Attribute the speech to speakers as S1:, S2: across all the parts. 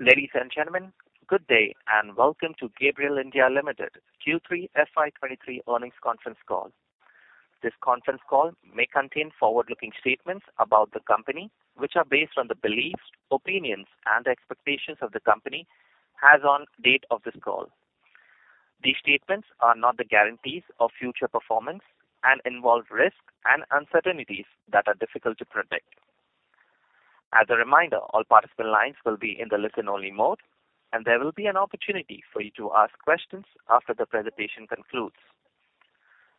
S1: Ladies and gentlemen, good day, and welcome to Gabriel India Limited Q3 FY23 earnings conference call. This conference call may contain forward-looking statements about the company, which are based on the beliefs, opinions, and expectations of the company as on date of this call. These statements are not the guarantees of future performance and involve risks and uncertainties that are difficult to predict. As a reminder, all participant lines will be in the listen-only mode, and there will be an opportunity for you to ask questions after the presentation concludes.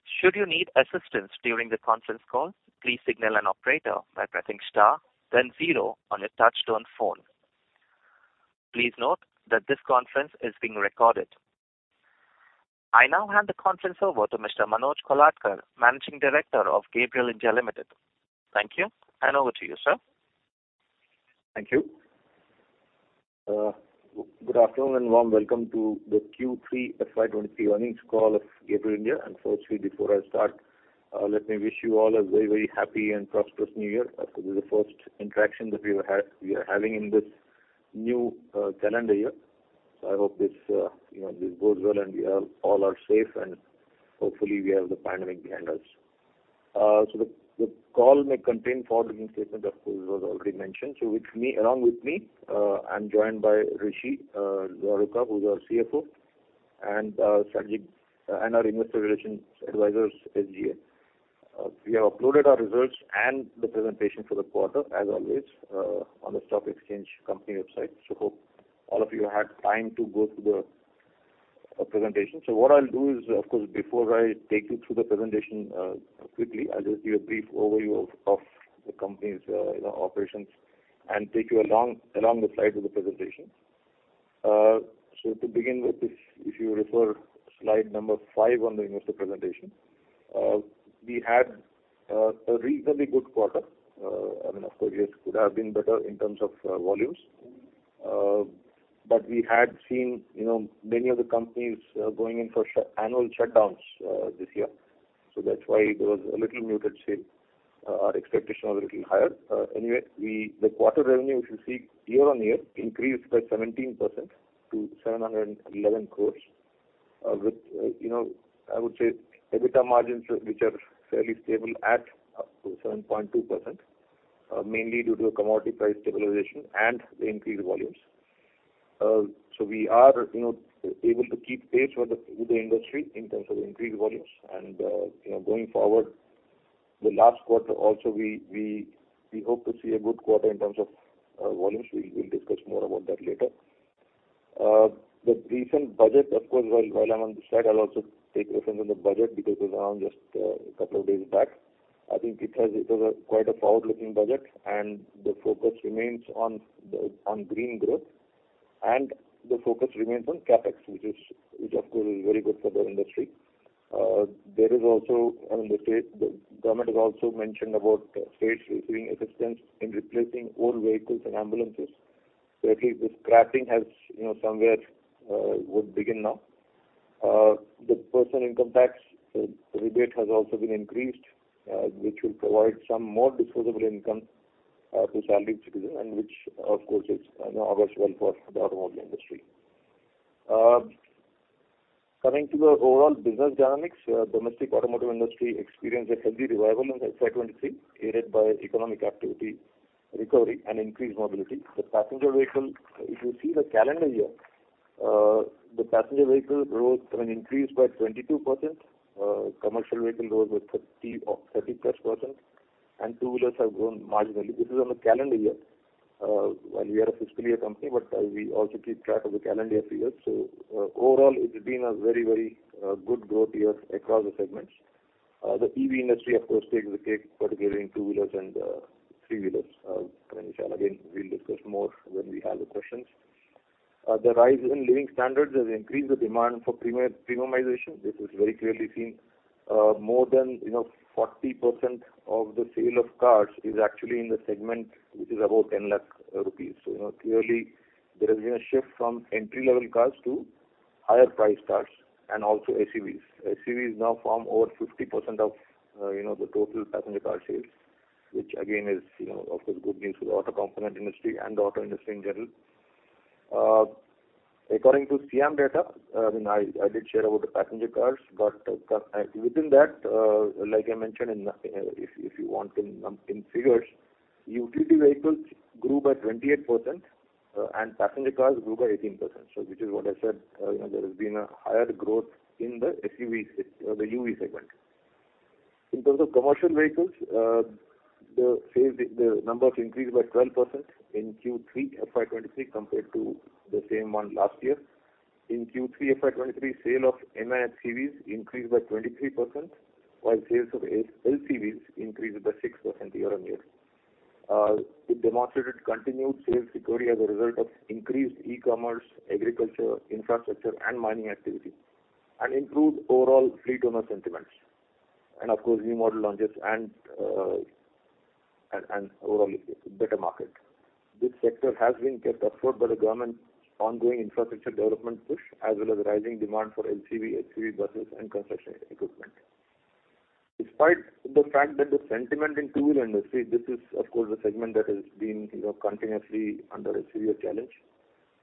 S1: Should you need assistance during the conference call, please signal an operator by pressing star, then zero on your touchtone phone. Please note that this conference is being recorded. I now hand the conference over to Mr. Manoj Kolhatkar, Managing Director of Gabriel India Limited. Thank you, and over to you, sir.
S2: Thank you. Good afternoon, and warm welcome to the Q3 FY23 earnings call of Gabriel India. Firstly, before I start, let me wish you all a very, very happy and prosperous new year. As this is the first interaction that we are having in this new calendar year. So I hope this, you know, this goes well, and we are, all are safe, and hopefully, we have the pandemic behind us. So the call may contain forward-looking statement, of course, it was already mentioned. So with me, along with me, I'm joined by Rishi Luharuka, who's our CFO, and Sanjeev, and our investor relations advisors, SGA. We have uploaded our results and the presentation for the quarter, as always, on the stock exchange company website. So hope all of you had time to go through the presentation. So what I'll do is, of course, before I take you through the presentation, quickly, I'll just give you a brief overview of the company's operations and take you along the slides of the presentation. So to begin with, if you refer slide number 5 on the investor presentation, we had a reasonably good quarter. I mean, of course, it could have been better in terms of volumes, but we had seen, you know, many of the companies going in for annual shutdowns this year. So that's why there was a little muted shape. Our expectation was a little higher. Anyway, the quarter revenue, if you see year-on-year, increased by 17% to 711 crore. With, you know, I would say, EBITDA margins, which are fairly stable at 7.2%, mainly due to a commodity price stabilization and the increased volumes. So we are, you know, able to keep pace with the industry in terms of increased volumes. You know, going forward, the last quarter also, we hope to see a good quarter in terms of volumes. We'll discuss more about that later. The recent budget, of course, while I'm on the slide, I'll also take reference on the budget because it was around just a couple of days back. I think it was quite a forward-looking budget, and the focus remains on green growth, and the focus remains on CapEx, which, of course, is very good for the industry. There is also, I mean, the state, the government has also mentioned about states receiving assistance in replacing old vehicles and ambulances. So at least this scrapping has, you know, somewhere, would begin now. The personal income tax rebate has also been increased, which will provide some more disposable income to salaried citizens, and which, of course, is, you know, auspicious for the automobile industry. Coming to the overall business dynamics, domestic automotive industry experienced a healthy revival in FY 2023, aided by economic activity recovery and increased mobility. The passenger vehicle, if you see the calendar year, the passenger vehicle growth have increased by 22%, commercial vehicle growth was 30% or 30%, and two-wheelers have grown marginally. This is on the calendar year. While we are a fiscal year company, but, we also keep track of the calendar year. So overall, it's been a very, very, good growth year across the segments. The EV industry, of course, takes the cake, particularly in two-wheelers and three-wheelers. And again, we'll discuss more when we have the questions. The rise in living standards has increased the demand for premiumization. This is very clearly seen, more than, you know, 40% of the sale of cars is actually in the segment, which is above 10 lakh rupees. So, you know, clearly there has been a shift from entry-level cars to higher-priced cars and also SUVs. SUVs now form over 50% of, you know, the total passenger car sales, which again, is, you know, of course, good news for the auto component industry and the auto industry in general. According to SIAM data, I did share about the passenger cars, but, within that, like I mentioned in, if you want in figures, UV vehicles grew by 28%, and passenger cars grew by 18%. So which is what I said, you know, there has been a higher growth in the SUV seg, the UV segment. In terms of commercial vehicles, the sales, the number increased by 12% in Q3 FY 2023 compared to the same one last year. In Q3 FY 2023, sale of M&HCVs increased by 23%, while sales of LCVs increased by 6% year-on-year. It demonstrated continued sales recovery as a result of increased e-commerce, agriculture, infrastructure, and mining activity, and improved overall fleet owner sentiments, and of course, new model launches and overall better market. This sector has been kept afloat by the government's ongoing infrastructure development push, as well as rising demand for LCV, HCV buses and construction equipment. Despite the fact that the sentiment in two-wheeler industry, this is, of course, a segment that has been, you know, continuously under a severe challenge.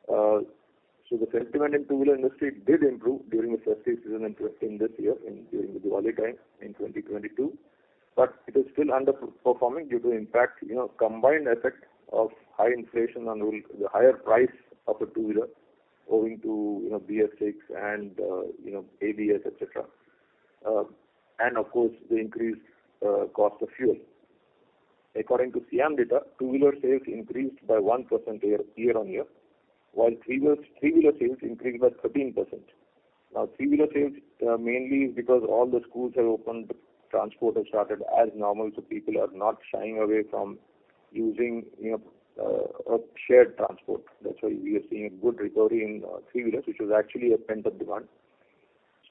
S2: So the sentiment in two-wheeler industry did improve during the festive season in this year during the Diwali time in 2022. But it is still underperforming due to impact, you know, combined effect of high inflation and the higher price of a two-wheeler, owing to, you know, BSVI and, you know, ABS, etc. And of course, the increased, cost of fuel. According to SIAM data, two-wheeler sales increased by 1% year-on-year, while three-wheeler sales increased by 13%. Now, three-wheeler sales, mainly because all the schools have opened, transport has started as normal, so people are not shying away from using, you know, a shared transport. That's why we are seeing a good recovery in, three-wheelers, which was actually a pent-up demand.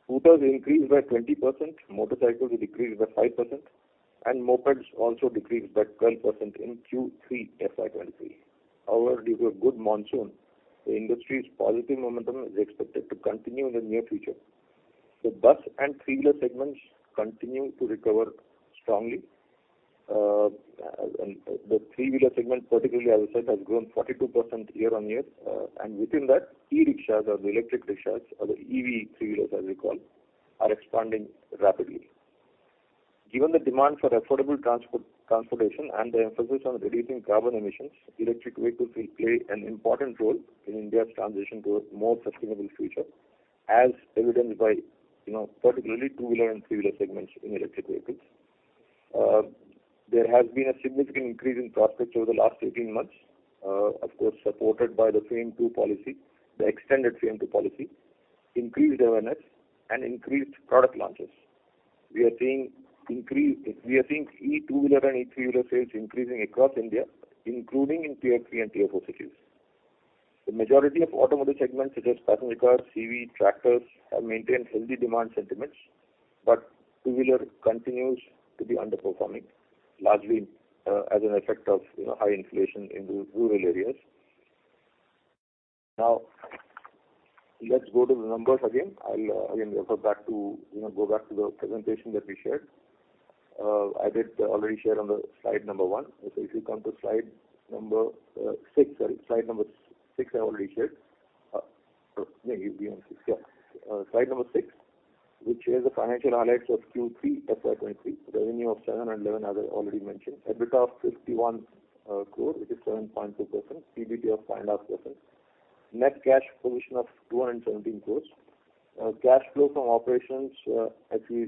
S2: Scooters increased by 20%, motorcycles decreased by 5%, and mopeds also decreased by 12% in Q3 FY 2023. However, due to a good monsoon, the industry's positive momentum is expected to continue in the near future. The bus and three-wheeler segments continue to recover strongly. And the three-wheeler segment, particularly, as I said, has grown 42% year-on-year. And within that, e-rickshaws or the electric rickshaws or the EV three-wheelers, as we call, are expanding rapidly. Given the demand for affordable transportation and the emphasis on reducing carbon emissions, electric vehicles will play an important role in India's transition to a more sustainable future, as evidenced by, you know, particularly two-wheeler and three-wheeler segments in electric vehicles. There has been a significant increase in prospects over the last 18 months, of course, supported by the FAME II policy, the extended FAME II policy, increased awareness, and increased product launches. We are seeing e-two-wheeler and e-three-wheeler sales increasing across India, including in Tier-III and Tier-IV cities. The majority of automotive segments, such as passenger cars, CV, tractors, have maintained healthy demand sentiments, but two-wheeler continues to be underperforming, largely as an effect of, you know, high inflation in the rural areas. Now, let's go to the numbers again. I'll again refer back to, you know, go back to the presentation that we shared. I did already share on the slide number 1. So if you come to slide number six, sorry, slide number 6, I already shared. Maybe even 6, yeah. Slide number 6, which is the financial highlights of Q3 FY23. Revenue of 711, as I already mentioned, EBITDA of 51 crore, which is 7.2%, PBT of 5.5%. Net cash position of 217 crore. Cash flow from operations actually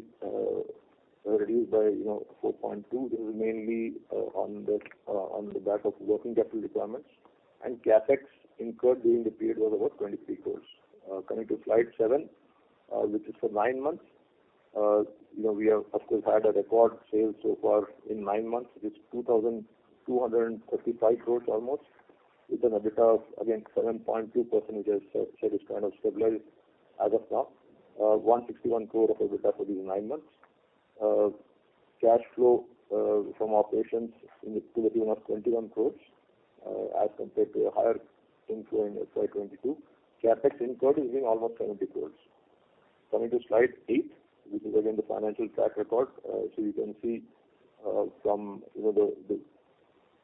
S2: reduced by, you know, 4.2. This is mainly on the back of working capital requirements, and CapEx incurred during the period was about 23 crore. Coming to slide seven, which is for nine months. You know, we have, of course, had a record sales so far in nine months. It is almost 2,235 crore, with an EBITDA of, again, 7.2%, which as I said, is kind of stabilized as of now. 161 crore of EBITDA for these nine months. Cash flow from operations in the tune of 21 crore, as compared to a higher inflow in FY 2022. CapEx incurred is almost 70 crore. Coming to slide 8, which is again the financial track record. So you can see from you know the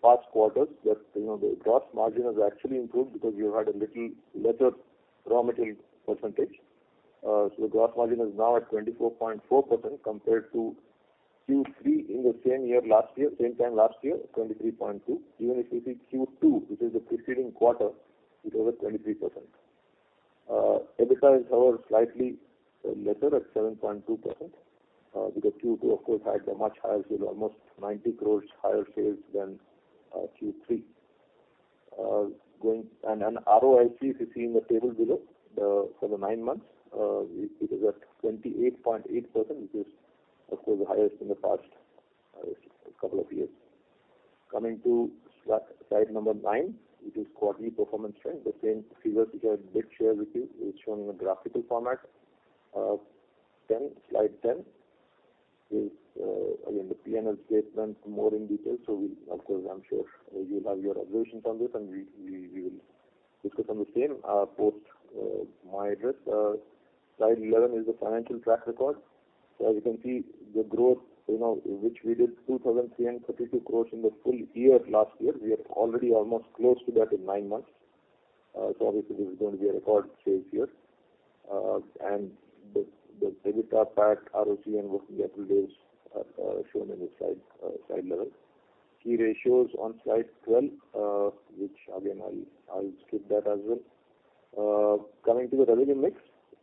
S2: past quarters that you know the gross margin has actually improved because you had a little lesser raw material percentage. So the gross margin is now at 24.4%, compared to Q3 in the same year, last year, same time last year, 23.2. Even if you see Q2, which is the preceding quarter, it was at 23%. EBITDA is, however, slightly lesser at 7.2%, because Q2, of course, had a much higher sales, almost 90 crore higher sales than Q3. And ROIC, if you see in the table below, the, for the nine months, it is at 28.8%, which is, of course, the highest in the past, couple of years. Coming to slide number 9, which is quarterly performance trend. The same figures which I did share with you, is shown in a graphical format. Slide 10 is, again, the P&L statement, more in detail. So of course, I'm sure you'll have your observations on this, and we will discuss on the same, post my address. Slide 11 is the financial track record. So as you can see, the growth, you know, which we did 2,332 crores in the full year last year, we are already almost close to that in nine months. So obviously, this is going to be a record sales year. And the EBITDA, PAT, ROC and working capital days are shown in the slide, slide level. Key ratios on slide 12, which again, I'll skip that as well. Coming to the revenue mix,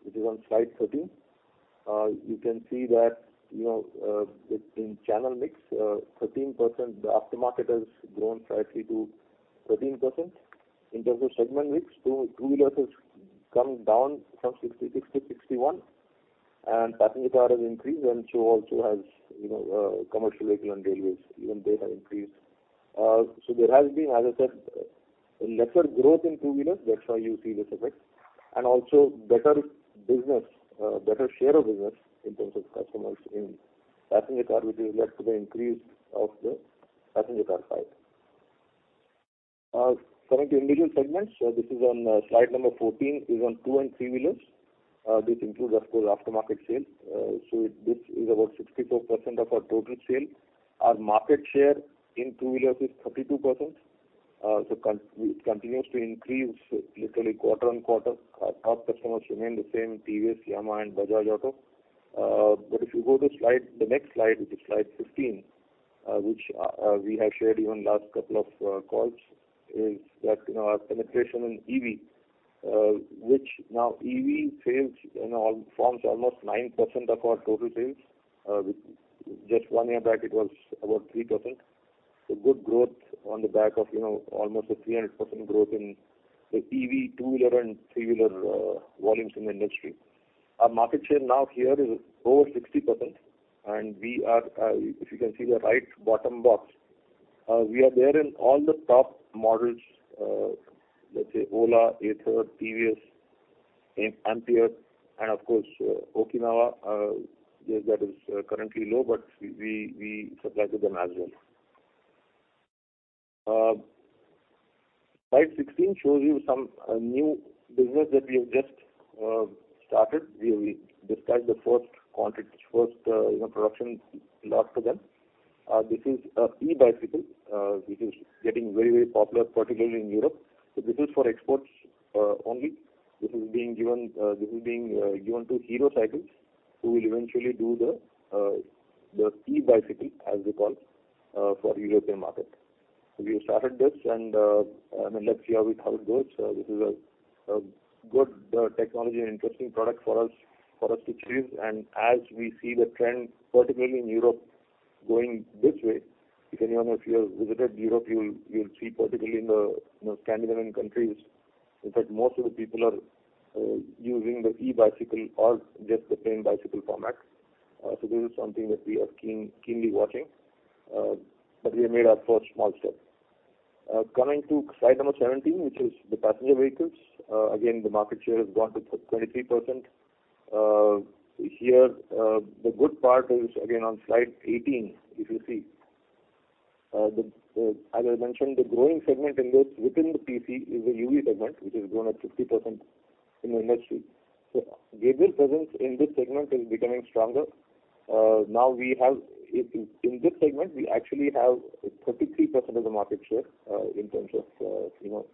S2: which is on slide 13. You can see that, you know, in channel mix, 13%, the aftermarket has grown slightly to 13%. In terms of segment mix, two-wheelers has come down from 60, 60 to 61, and passenger car has increased, and so also has, you know, commercial vehicle and railways, even they have increased. So there has been, as I said, a lesser growth in two-wheelers, that's why you see this effect. Also better business, better share of business in terms of customers in passenger car, which has led to the increase of the passenger car side. Coming to individual segments, this is on slide number 14, on two- and three-wheelers. This includes, of course, aftermarket sales. So it, this is about 64% of our total sales. Our market share in two-wheelers is 32%. So it continues to increase literally quarter-over-quarter. Our top customers remain the same, TVS, Yamaha and Bajaj Auto. But if you go to slide, the next slide, which is slide 15, which we have shared even last couple of calls, is that, you know, our penetration in EV, which now EV sales, you know, forms almost 9% of our total sales. Just one year back, it was about 3%. So good growth on the back of, you know, almost a 300% growth in the EV two-wheeler and three-wheeler volumes in the industry. Our market share now here is over 60%, and we are, if you can see the right bottom box, we are there in all the top models, let's say, Ola, Ather, TVS, Ampere, and of course, Okinawa. Slide 16 shows you some new business that we have just started. We dispatched the first quantity, first, you know, production lot to them. This is e-bicycle, which is getting very, very popular, particularly in Europe. So this is for exports only. This is being given to Hero Cycles, who will eventually do the e-bicycle, as we call, for European market. So we have started this, and I mean, let's see how it goes. This is a good technology and interesting product for us to chase. And as we see the trend, particularly in Europe, going this way, if anyone of you have visited Europe, you will see, particularly in the, you know, Scandinavian countries, in fact, most of the people are using the e-bicycle or just the plain bicycle format. So this is something that we are keenly watching, but we have made our first small step. Coming to slide number 17, which is the passenger vehicles. Again, the market share has gone to 23%. Here, the good part is, again, on slide 18, if you see, the, as I mentioned, the growing segment in this within the PC is the UV segment, which has grown at 50% in the industry. So Gabriel presence in this segment is becoming stronger. Now we have, in, in this segment, we actually have 33% of the market share, in terms of, you know,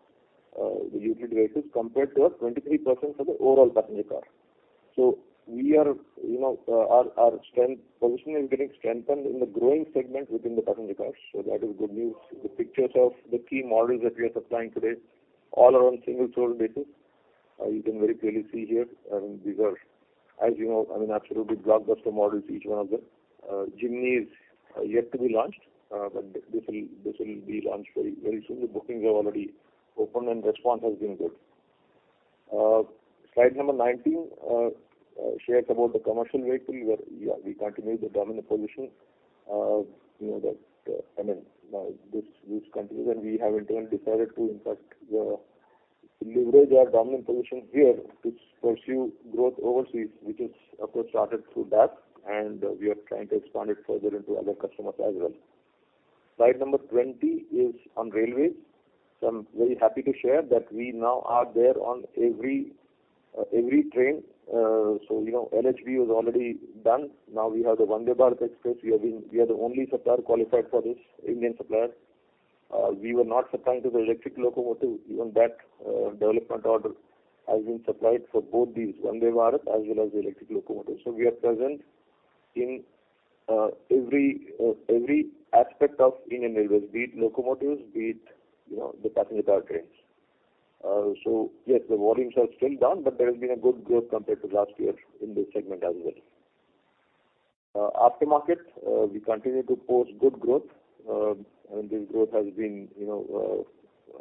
S2: the utility vehicles, compared to our 23% for the overall passenger car. So we are, you know, our, our strength position is getting strengthened in the growing segment within the passenger cars, so that is good news. The pictures of the key models that we are supplying today, all are on single source basis. You can very clearly see here, and these are, as you know, I mean, absolutely blockbuster models, each one of them. Jimny is yet to be launched, but this will, this will be launched very, very soon. The bookings have already opened, and response has been good. Slide number 19 shares about the commercial vehicle, where, yeah, we continue the dominant position. You know, that, I mean, this, this continues, and we have in turn decided to, in fact, leverage our dominant position here to pursue growth overseas, which is, of course, started through that, and we are trying to expand it further into other customers as well. Slide number 20 is on railways. So I'm very happy to share that we now are there on every, every train. So, you know, LHB was already done. Now we have the Vande Bharat Express. We are the only supplier qualified for this, Indian supplier. We were not supplying to the electric locomotive. Even that, development order has been supplied for both these, Vande Bharat as well as the electric locomotive. So we are present in every aspect of Indian Railways, be it locomotives, be it, you know, the passenger car trains. So yes, the volumes are still down, but there has been a good growth compared to last year in this segment as well. Aftermarket, we continue to post good growth, and this growth has been, you know,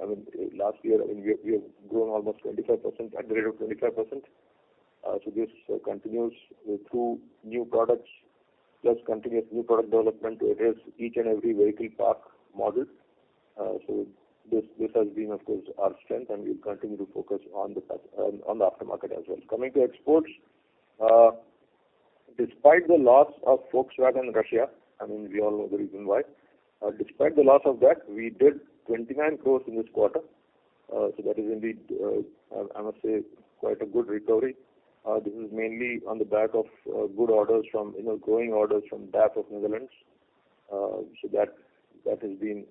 S2: I mean, last year, I mean, we, we have grown almost 25%, at the rate of 25%. So this continues through new products, plus continuous new product development to address each and every vehicle pack model. So this, this has been, of course, our strength, and we continue to focus on the aftermarket as well. Coming to exports, despite the loss of Volkswagen Russia, I mean, we all know the reason why. Despite the loss of that, we did 29 crores in this quarter. So that is indeed, I must say, quite a good recovery. This is mainly on the back of, good orders from, you know, growing orders from DAF of Netherlands. So that, that has been,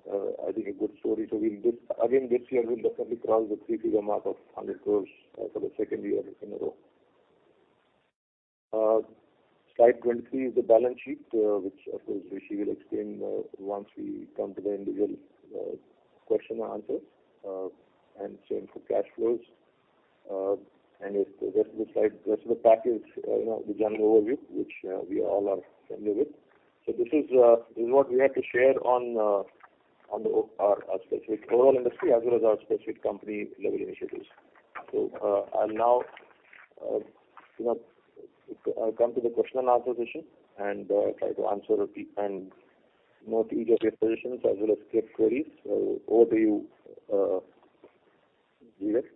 S2: I think, a good story. So we'll just, again, this year, we'll definitely cross the three figure mark of 100 crores, for the second year in a row. Slide 20 is the balance sheet, which, of course, Rishi will explain once we come to the individual question and answers, and same for cash flows. And rest of the slide, rest of the pack is, you know, the general overview, which we all are familiar with. So this is, this is what we have to share on, on the, our, our specific overall industry, as well as our specific company level initiatives. So, I'll now, you know, come to the question and answer session and, try to answer and note each of your questions as well as clear queries. So over to you, Rishi....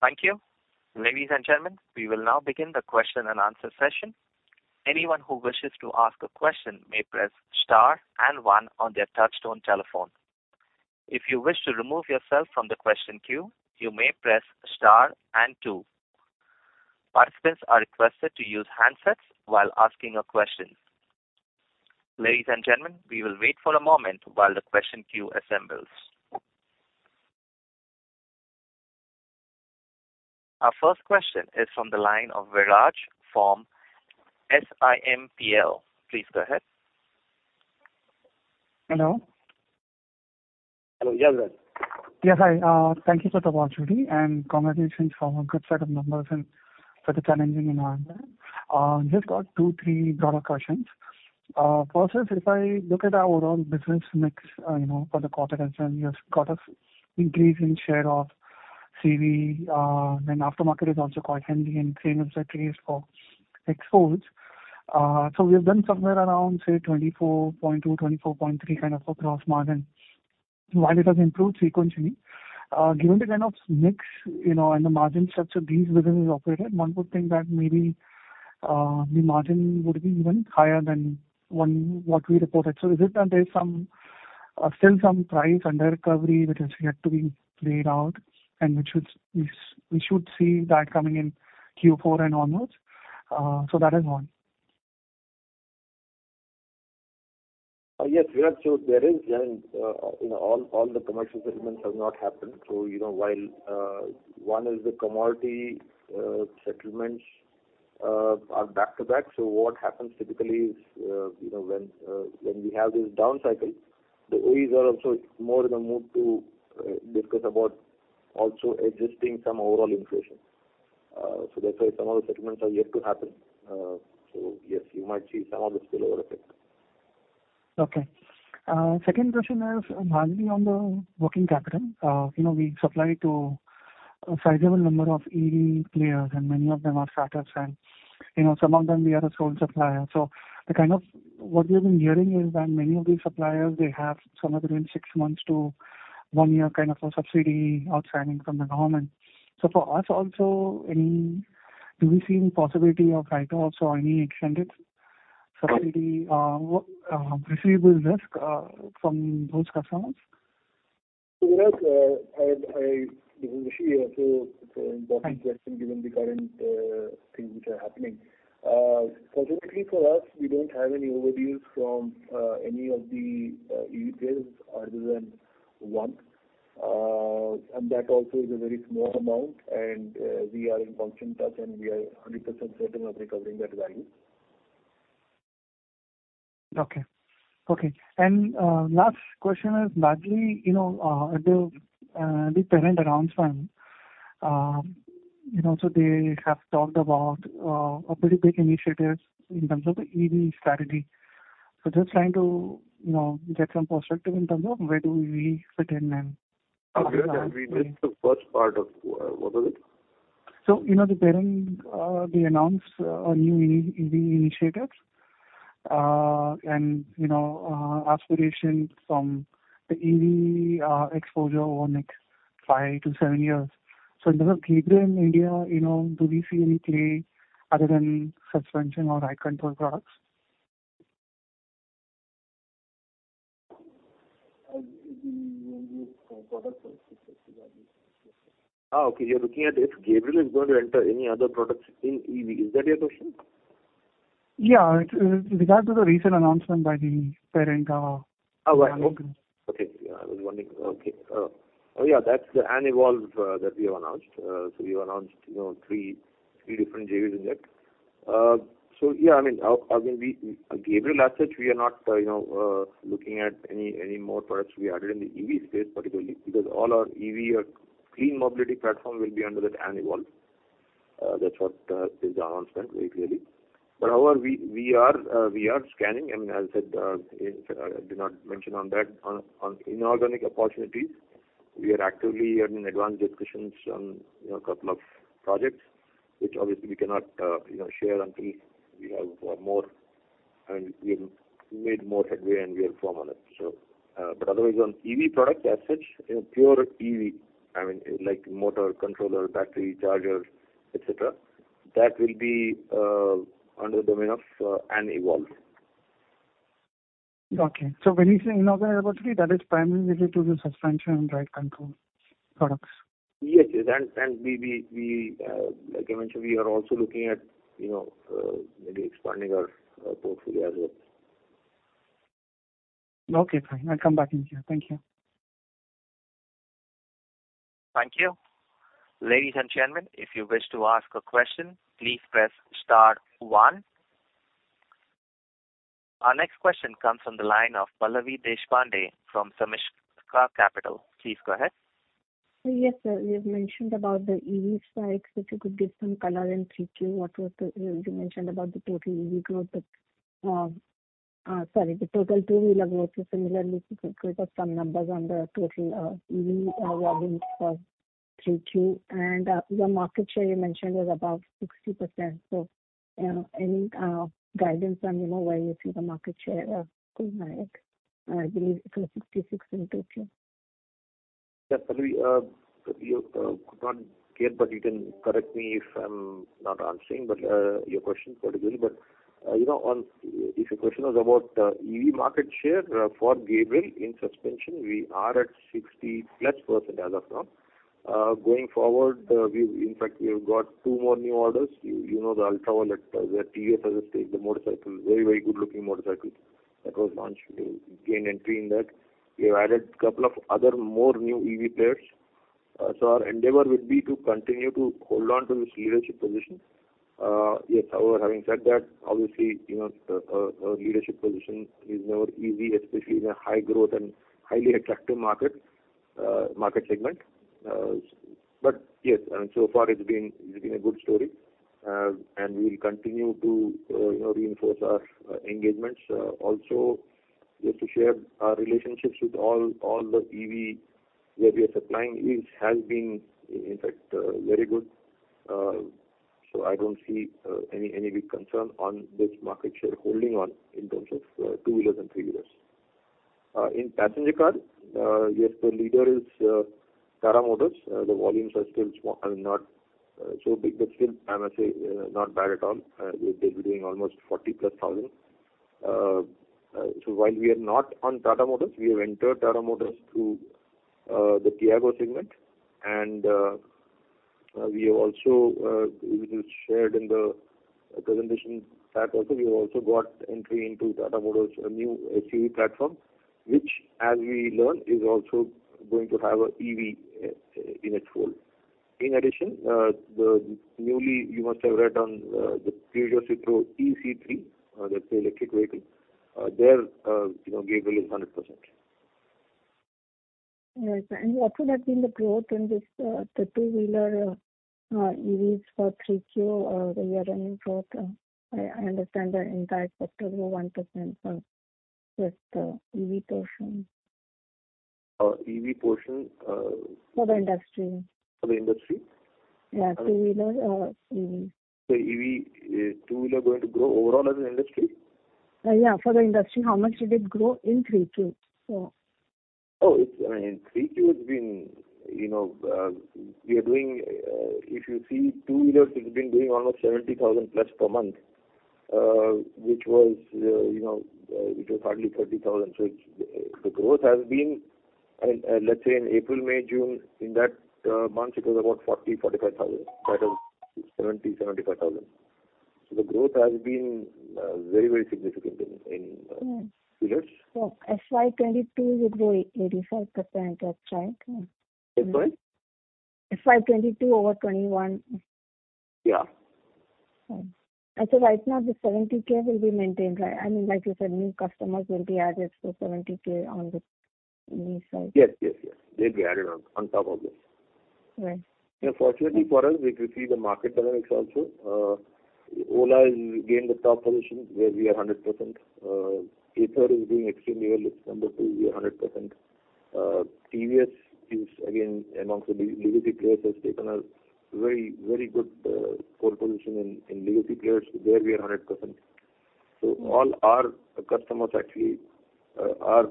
S1: Thank you. Ladies and gentlemen, we will now begin the question-and-answer session. Anyone who wishes to ask a question may press star and one on their touchtone telephone. If you wish to remove yourself from the question queue, you may press star and two. Participants are requested to use handsets while asking a question. Ladies and gentlemen, we will wait for a moment while the question queue assembles. Our first question is from the line of Viraj from SIMPL. Please go ahead.
S3: Hello?
S2: Hello, yes, sir.
S3: Yes, hi, thank you for the opportunity, and congratulations for a good set of numbers and for the challenging environment. Just got 2-3 broader questions. First is, if I look at the overall business mix, you know, for the quarter concerned, you have got an increase in share of CV, then aftermarket is also quite healthy and same as the case for exports. So we have been somewhere around, say, 24.2-24.3, kind of, for gross margin. While it has improved sequentially, given the kind of mix, you know, and the margin structure these businesses operated, one would think that maybe the margin would be even higher than what we reported. So is it that there's some still some price under recovery which is yet to be played out, and which we should see that coming in Q4 and onwards? So that is one.
S2: Yes, we are sure there is, and, you know, all the commercial settlements have not happened. So, you know, while one is the commodity settlements are back to back. So what happens typically is, you know, when we have this down cycle, the OEs are also more in the mood to discuss about also adjusting some overall inflation. So that's why some of the settlements are yet to happen. So yes, you might see some of the spillover effect.
S3: Okay. Second question is largely on the working capital. You know, we supply to a sizable number of EV players, and many of them are startups, and, you know, some of them we are a sole supplier. So the kind of what we have been hearing is that many of these suppliers, they have somewhere between 6 months to 1 year, kind of, a subsidy outstanding from the government. So for us also, any, do we see any possibility of write-offs or any extended subsidy, receivables risk, from those customers?
S2: This is Rishi here. It's an important question given the current things which are happening. Fortunately for us, we don't have any overdues from any of the EV players other than one, and that also is a very small amount, and we are in constant touch, and we are 100% certain of recovering that value.
S3: Okay. Okay, and last question is largely, you know, the parent announced one, you know, so they have talked about a pretty big initiative in terms of the EV strategy. So just trying to, you know, get some perspective in terms of where do we fit in then?
S2: Viraj, and we missed the first part of... What was it?
S3: So, you know, the parent, they announced a new EV initiatives, and, you know, aspiration from the EV, exposure over the next 5–7 years. So in terms of Gabriel India, you know, do we see any play other than suspension or ride control products?
S2: Okay, you're looking at if Gabriel is going to enter any other products in EV? Is that your question?
S3: Yeah, it is in regard to the recent announcement by the parent company.
S2: Oh, right. Okay. Okay. Yeah, I was wondering. Okay. Oh, yeah, that's the AnEvolve that we have announced. So we announced, you know, three different JVs in that. So yeah, I mean, our, I mean, we, Gabriel as such, we are not, you know, looking at any more products to be added in the EV space, particularly, because all our EV or clean mobility platform will be under that AnEvolve. That's what is the announcement very clearly. But however, we are scanning, I mean, as I said, I did not mention on that. On inorganic opportunities, we are actively having advanced discussions on, you know, a couple of projects, which obviously we cannot, you know, share until we have more and we have made more headway, and we are firm on it. So, but otherwise, on EV products as such, pure EV, I mean, like motor, controller, battery, chargers, et cetera, that will be under the domain of ANEvolve.
S3: Okay. So when you say inorganic opportunity, that is primarily to the suspension and ride control products?
S2: Yes, yes. And, like I mentioned, we are also looking at, you know, maybe expanding our portfolio as well.
S3: Okay, fine. I'll come back in here. Thank you.
S1: Thank you. Ladies and gentlemen, if you wish to ask a question, please press star one. Our next question comes from the line of Pallavi Deshpande from Sameeksha Capital. Please go ahead.
S4: Yes, sir. You've mentioned about the EV spikes. If you could give some color in Q2, what was the... You mentioned about the total EV growth, but, sorry, the total two-wheeler growth. So similarly, if you could give us some numbers on the total, EV volumes for Q2, and, your market share you mentioned was above 60%. So, any, guidance on, you know, where you see the market share of two-wheeler?... I believe from 66 in total.
S2: Yeah, probably, you could not get, but you can correct me if I'm not answering your question particularly. But you know, on if your question was about EV market share for Gabriel in suspension, we are at 60%+ as of now. Going forward, we've, in fact, we have got 2 more new orders. You know, the Ultraviolette that TVS has a stake, the motorcycle, very, very good looking motorcycle that was launched. We gained entry in that. We have added a couple of other more new EV players. So our endeavor would be to continue to hold on to this leadership position. Yes, however, having said that, obviously, you know, a leadership position is never easy, especially in a high growth and highly attractive market market segment. But yes, and so far it's been, it's been a good story. And we will continue to, you know, reinforce our engagements. Also, just to share our relationships with all, all the EV where we are supplying is, has been, in fact, very good. So I don't see any, any big concern on this market share holding on in terms of two-wheelers and three-wheelers. In passenger car, yes, the leader is Tata Motors. The volumes are still small and not so big, but still, I must say, not bad at all. They, they're doing almost 40,000+. So while we are not on Tata Motors, we have entered Tata Motors through the Tiago segment. We have also, it is shared in the presentation chart also, we have also got entry into Tata Motors' new SUV platform, which, as we learn, is also going to have a EV in its role. In addition, the newly, you must have read on, the Peugeot Citroën eC3, that's the electric vehicle, there, you know, Gabriel is 100%.
S4: Right. And what would have been the growth in this, the two-wheeler, EVs for 3Q, the year-on-year growth? I understand the entire sector grew 1% with the EV portion.
S2: EV portion.
S4: For the industry.
S2: For the industry?
S4: Yeah, two-wheeler, EVs.
S2: So EV, two-wheeler going to grow overall as an industry?
S4: Yeah, for the industry, how much did it grow in 3Q? So...
S2: Oh, it's, I mean, in 3Q, it's been, you know, we are doing... If you see two-wheelers, it's been doing almost 70,000+ per month, which was, you know, which was hardly 30,000. So it's, the growth has been, and, and let's say in April, May, June, in that, month, it was about 40–45,000, right, 70–75,000. So the growth has been, very, very significant in, in, two-wheelers.
S4: FY 22 would grow 85%, that's right?
S2: Excuse me?
S4: FY 22 over 21.
S2: Yeah.
S4: So right now, the 70K will be maintained, right? I mean, like you said, new customers will be added, so 70K on this new side.
S2: Yes, yes, yes. They'll be added on, on top of this.
S4: Right.
S2: And fortunately for us, if you see the market dynamics also, Ola is again the top position, where we are 100%. Ather is doing extremely well. It's number two, we are 100%. TVS is again amongst the legacy players, has taken a very, very good pole position in legacy players. There we are 100%. So all our customers actually are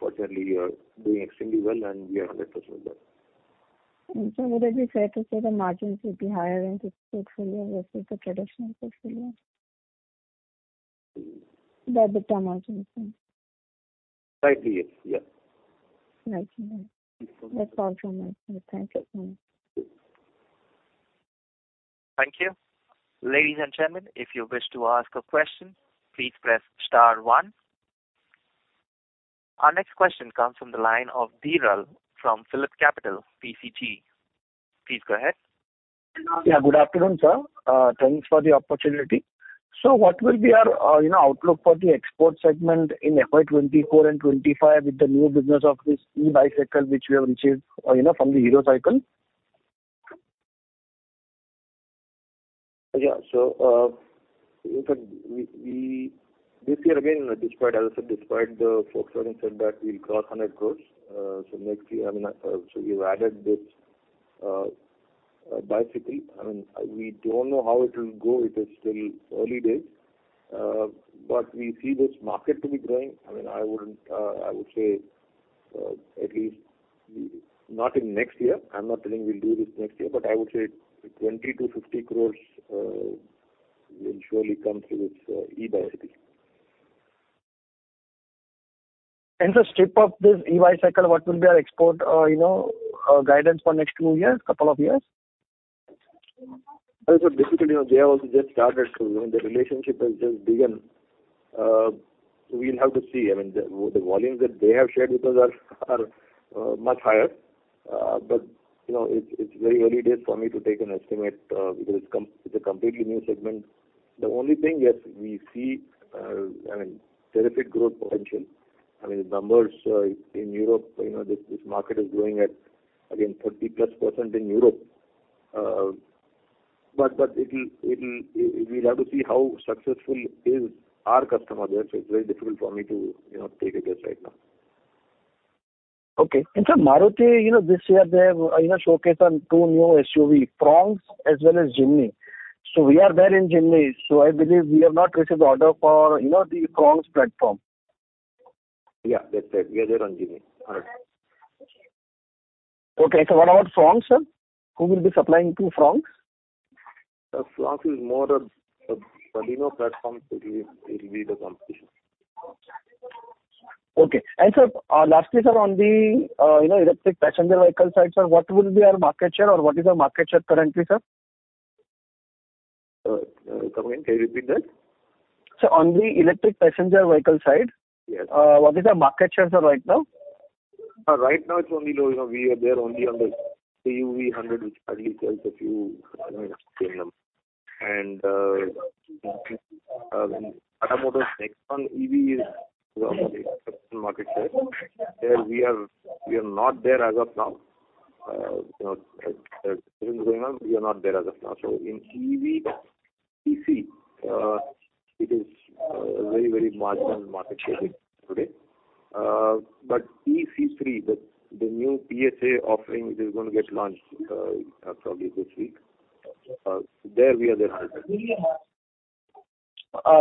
S2: fortunately doing extremely well, and we are 100% there.
S4: Would it be fair to say the margins would be higher in this portfolio versus the traditional portfolio? The EBITDA margins.
S2: Likely, yes. Yeah.
S4: Thank you. That's all from me. Thank you.
S1: Thank you. Ladies and gentlemen, if you wish to ask a question, please press star one. Our next question comes from the line of Viral from PhillipCapital PCG. Please go ahead.
S5: Yeah, good afternoon, sir. Thanks for the opportunity. So what will be our, you know, outlook for the export segment in FY 2024 and 2025 with the new business of this e-bicycle, which we have received, you know, from the Hero Cycles?
S2: Yeah. So, in fact, we this year, again, despite, as I said, despite the Volkswagen said that we'll cross 100 crores, so next year, I mean, so we've added this bicycle. I mean, we don't know how it will go. It is still early days, but we see this market to be growing. I mean, I wouldn't, I would say, at least not in next year. I'm not saying we'll do this next year, but I would say 20 crore–50 crore, will surely come through this e-bicycle.
S5: The share of this e-bicycle, what will be our export, you know, guidance for next two years, couple of years?
S2: So basically, you know, they have also just started, so, I mean, the relationship has just begun. We'll have to see. I mean, the volumes that they have shared with us are much higher. But, you know, it's very early days for me to take an estimate, because it's a completely new segment. The only thing, yes, we see I mean, terrific growth potential. I mean, the numbers in Europe, you know, this market is growing at, again, 30%+ in Europe. But we'll have to see how successful is our customer there. So it's very difficult for me to, you know, take a guess right now.
S5: Okay. Sir, Maruti, you know, this year they have, you know, showcased 2 new SUV, Fronx as well as Jimny. So we are there in Jimny, so I believe we have not received order for, you know, the Fronx platform.
S2: Yeah, that's it. We are there on Jimny. All right.
S5: Okay, so what about Fronx, sir? Who will be supplying to Fronx?
S2: Fronx is more of a, you know, platform. It will, it will be the competition.
S5: Okay. Sir, lastly, sir, on the, you know, electric passenger vehicle side, sir, what will be our market share or what is our market share currently, sir?
S2: Come in, can you repeat that?
S5: Sir, on the electric passenger vehicle side.
S2: Yes.
S5: What is our market share, sir, right now?
S2: Right now it's only low. You know, we are there only on the KUV100, which hardly sells a few, you know, premium. And Tata Motors Nexon EV is on the market share. There we are, we are not there as of now. You know, going on, we are not there as of now. So in EV, it is a very, very marginal market share today. But eC3, the new PSA offering, which is going to get launched probably this week, there we are there.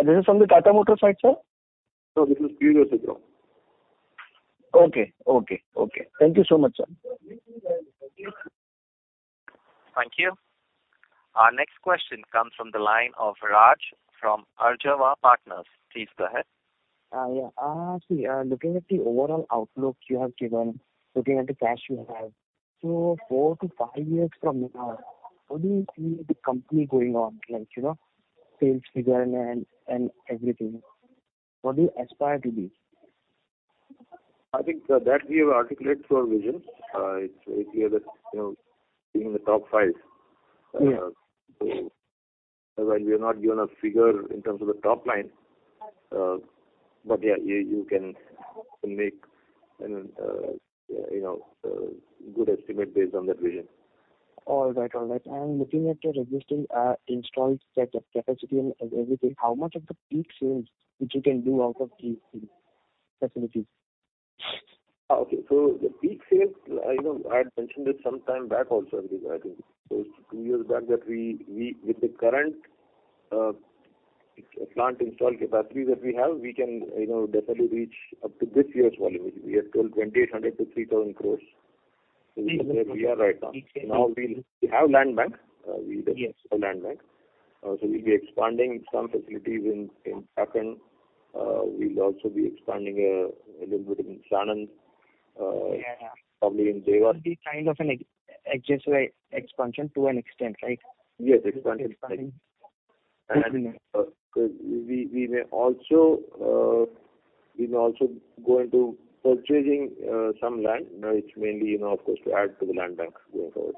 S5: This is from the Tata Motors side, sir?
S2: No, this is Peugeot Citroën.
S5: Okay. Okay, okay. Thank you so much, sir.
S1: Thank you. Our next question comes from the line of Raj from Arjav Partners. Please go ahead.
S6: Looking at the overall outlook you have given, looking at the cash you have, so 4–5 years from now, how do you see the company going on, like, you know, sales figure and, and everything? What do you aspire to be?
S2: I think that we have articulated our vision. It's, you know, being in the top five.
S6: Yeah.
S2: While we have not given a figure in terms of the top line, but yeah, you, you can make, you know, you know, a good estimate based on that vision.
S6: All right. All right. Looking at your existing installed set of capacity and everything, how much of the peak sales which you can do out of these facilities?
S2: Okay. So the peak sales, you know, I had mentioned it sometime back also, I think. So two years back that we with the current plant installed capacity that we have, we can, you know, definitely reach up to this year's volume, which we have sold 2,800 crore–3,000 crore. So we are right on. Now, we have a land bank.
S6: Yes.
S2: So we'll be expanding some facilities in Chakan. We'll also be expanding a little bit in Sanand.
S6: Yeah.
S2: Probably in Dewas.
S6: It will be kind of an exhaust expansion to an extent, right?
S2: Yes, expansion. And, we may also go into purchasing some land, you know, it's mainly, you know, of course, to add to the land bank going forward.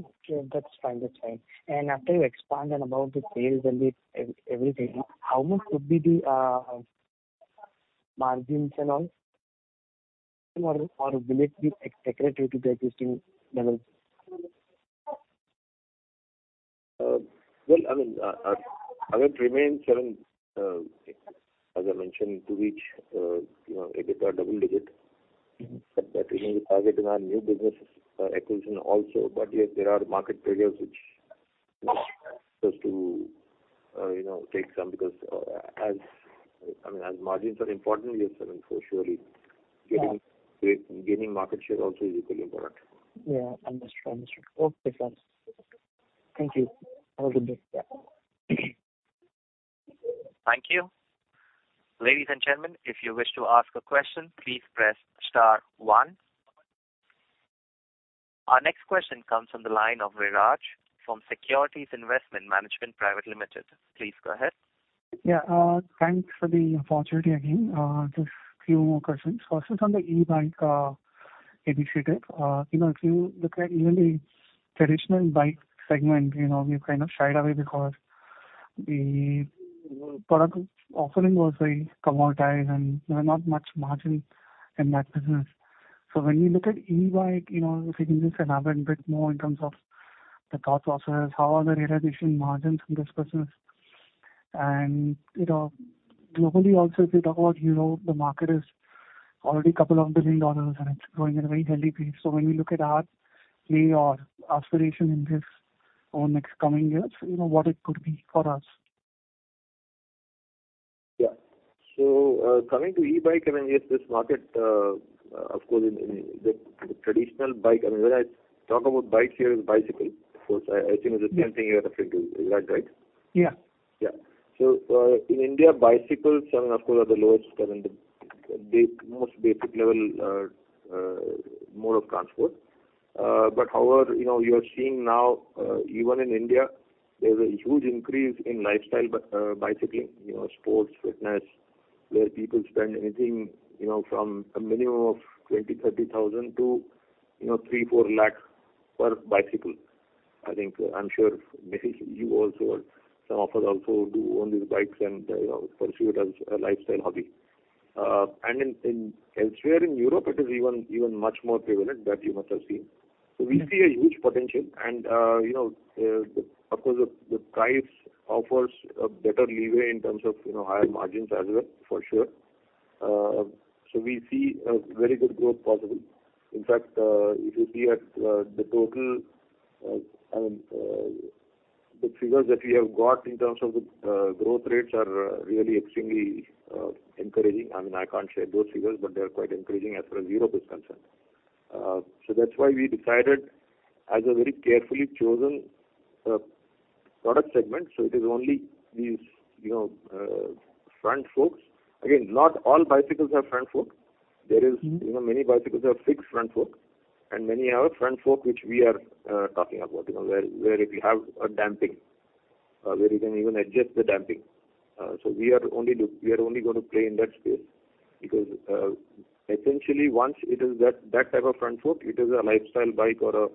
S6: Okay, that's fine. That's fine. And after you expand and about the sales and the EV everything, how much could be the margins and all? Or, or will it be equal to the existing levels?
S2: Well, I mean, it remains 7, as I mentioned, to reach, you know, EBITDA double-digit.
S6: Mm-hmm.
S2: But that remains the target in our new businesses, acquisition also. But yes, there are market players which supposed to, you know, take some, because, I mean, as margins are important, we are selling for surely.
S6: Yeah.
S2: Gaining market share also is equally important.
S6: Yeah, understood. Understood. Okay, sir. Thank you. Have a good day.
S1: Thank you. Ladies and gentlemen, if you wish to ask a question, please press star one. Our next question comes from the line of Viraj from Securities Investment Management Private Limited. Please go ahead.
S3: Yeah, thanks for the opportunity again. Just few more questions. First, on the e-bike, initiative. You know, if you look at even the traditional bike segment, you know, we've kind of shied away because the product offering was very commoditized, and there are not much margin in that business. So when you look at e-bike, you know, if you can just elaborate a bit more in terms of the thought process, how are the realization margins in this business? And, you know, globally also, if you talk about Hero, the market is already $2 billion, and it's growing at a very healthy pace. So when you look at our play or aspiration in this or next coming years, you know, what it could be for us?
S2: Yeah. So, coming to e-bike, I mean, yes, this market, of course, in the traditional bike, I mean, when I talk about bikes here, is bicycle. Of course, I think it's the same thing you are referring to. Is that right?
S3: Yeah.
S2: Yeah. So, in India, bicycles, I mean, of course, are the lowest and the most basic level mode of transport. But however, you know, you are seeing now even in India, there's a huge increase in lifestyle bicycling, you know, sports, fitness, where people spend anything, you know, from a minimum of 20,000–30,000 to 3–4 lakhs per bicycle. I think, I'm sure maybe you also are, some of us also do own these bikes and pursue it as a lifestyle hobby. And elsewhere in Europe, it is even much more prevalent, that you must have seen. So we see a huge potential and, you know, the price offers a better leeway in terms of higher margins as well, for sure. So we see a very good growth possible. In fact, if you see at the total, I mean, the figures that we have got in terms of the growth rates are really extremely encouraging. I mean, I can't share those figures, but they are quite encouraging as far as Europe is concerned. So that's why we decided as a very carefully chosen product segment, so it is only these, you know, front forks. Again, not all bicycles have front fork.
S3: Mm-hmm.
S2: There is, you know, many bicycles have fixed front fork, and many have front fork, which we are talking about. You know, where if you have a damping, where you can even adjust the damping. So we are only going to play in that space. Because essentially, once it is that type of front fork, it is a lifestyle bike or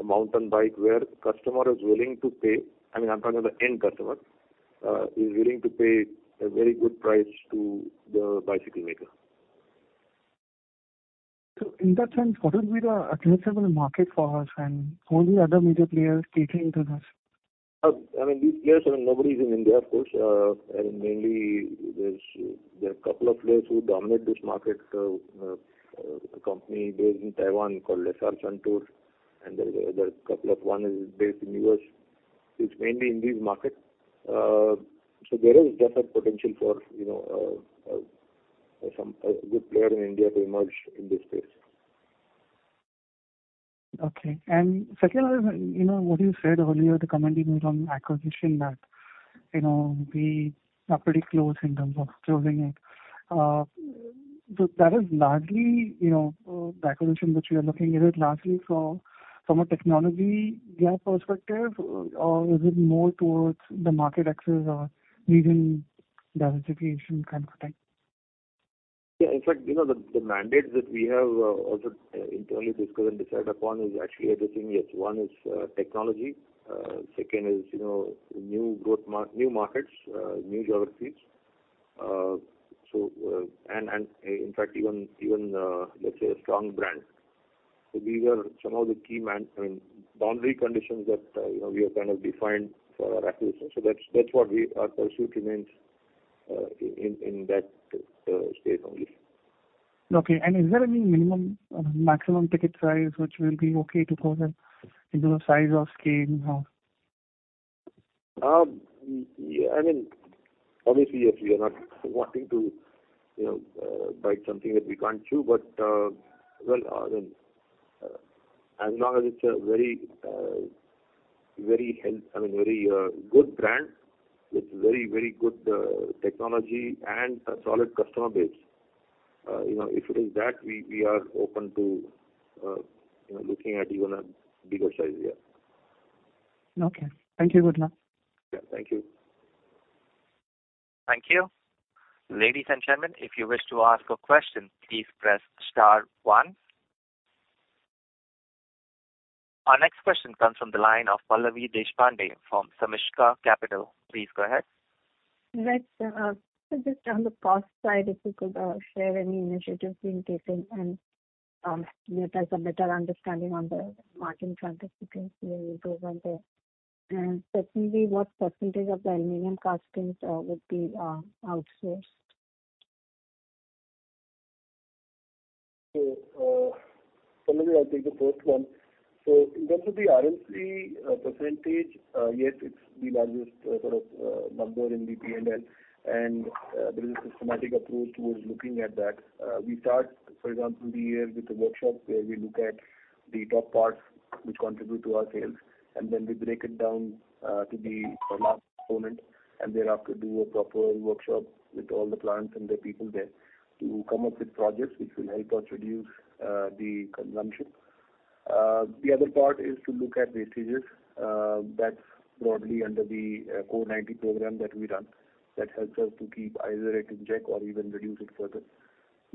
S2: a mountain bike, where customer is willing to pay, I mean, I'm talking about the end customer, is willing to pay a very good price to the bicycle maker.
S3: In that sense, what would be the addressable market for us and all the other major players catering to this?
S2: I mean, these players, I mean, nobody's in India, of course. I mean, mainly there are a couple of players who dominate this market. A company based in Taiwan called SR Suntour, and there is another couple of... One is based in US. It's mainly in these markets. So there is definite potential for, you know, some, a good player in India to emerge in this space.
S3: Okay. Second one, you know, what you said earlier, the comment you made on acquisition, that, you know, we are pretty close in terms of closing it. That is largely, you know, the acquisition which we are looking at it largely from, from a technology gap perspective, or is it more towards the market access or regional diversification kind of a thing?
S2: Yeah, in fact, you know, the mandates that we have also internally discussed and decided upon is actually addressing, yes, one is technology. Second is, you know, new growth new markets, new geographies. So, and in fact, even, let's say, a strong brand. So these are some of the key, I mean, boundary conditions that, you know, we have kind of defined for our acquisition. So that's what we, our pursuit remains in that state only.
S3: Okay. Is there any minimum, maximum ticket size which will be okay to go with in terms of size or scale, or?
S2: Yeah, I mean, obviously, yes, we are not wanting to, you know, bite something that we can't chew. But, well, I mean, as long as it's a very, very good brand, with very, very good, technology and a solid customer base, you know, if it is that, we, we are open to, you know, looking at even a bigger size. Yeah.
S3: Okay. Thank you very much.
S2: Yeah. Thank you.
S1: Thank you. Ladies and gentlemen, if you wish to ask a question, please press star one. Our next question comes from the line of Pallavi Deshpande from Sameeksha Capital. Please go ahead.
S4: Thanks, so just on the cost side, if you could share any initiatives being taken and give us a better understanding on the margin front, as you can go from there. And secondly, what percentage of the aluminum castings would be outsourced?
S2: So, Pallavi, I'll take the first one. So in terms of the RMC, percentage, yes, it's the largest, sort of, number in the P&L, and, there is a systematic approach towards looking at that. We start, for example, the year with a workshop, where we look at the top parts which contribute to our sales, and then we break it down, to the last component, and thereafter do a proper workshop with all the clients and the people there, to come up with projects which will help us reduce, the consumption. The other part is to look at wastages, that's broadly under the, CORE 90 program that we run, that helps us to keep either it in check or even reduce it further.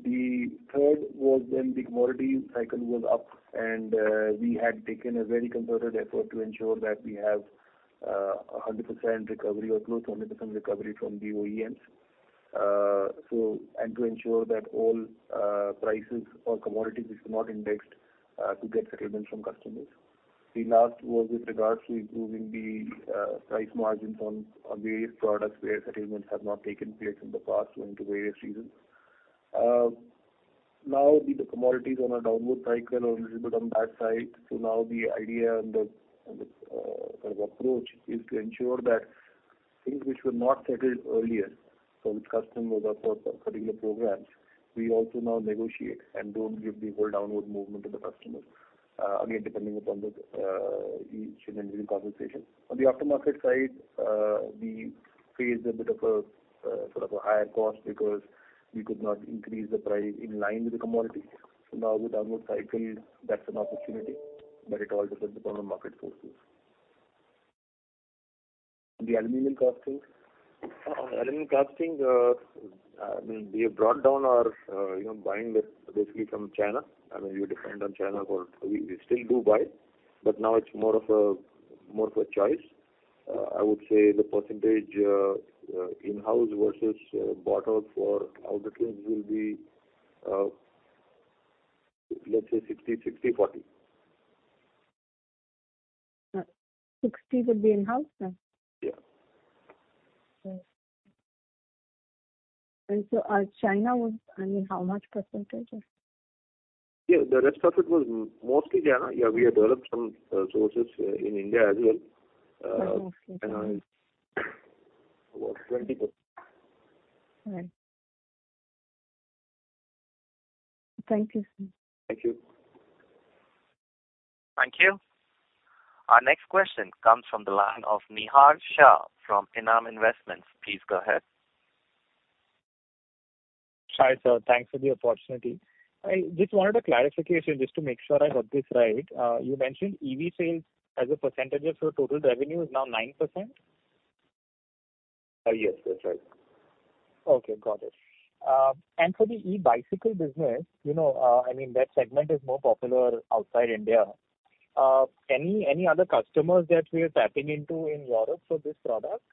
S2: The third was when the commodity cycle was up, and we had taken a very concerted effort to ensure that we have 100% recovery or close to 100% recovery from the OEMs. So, and to ensure that all prices or commodities is not indexed to get settlements from customers. The last was with regards to improving the price margins on various products, where settlements have not taken place in the past due to various reasons. Now with the commodities on a downward cycle or a little bit on bad side, so now the idea and the sort of approach is to ensure that things which were not settled earlier, so with customers or for particular programs, we also now negotiate and don't give the whole downward movement to the customers, again, depending upon the each individual conversation. On the aftermarket side, we faced a bit of a sort of a higher cost because we could not increase the price in line with the commodities. So now with downward cycle, that's an opportunity, but it all depends upon the market forces. The aluminum castings? Aluminum casting, I mean, we have brought down our you know, buying this basically from China. I mean, you depend on China for... We still do buy, but now it's more of a choice. I would say the percentage in-house versus bought out for outer frames will be, let's say 60/40.
S7: 60 would be in-house, sir?
S2: Yeah.
S7: Okay. And so our China was, I mean, how much percentage is?
S2: Yeah, the rest of it was mostly China. Yeah, we have developed some sources in India as well.
S7: But mostly China.
S2: About 20%.
S7: All right. Thank you, sir.
S2: Thank you.
S1: Thank you. Our next question comes from the line of Nihar Shah from Enam Investment. Please go ahead.
S8: Hi, sir. Thanks for the opportunity. I just wanted a clarification, just to make sure I got this right. You mentioned EV sales as a percentage of your total revenue is now 9%?
S2: Yes, that's right.
S8: Okay, got it. And for the e-bicycle business, you know, I mean, that segment is more popular outside India. Any other customers that we are tapping into in Europe for this product?